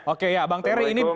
oke ya bang terry ini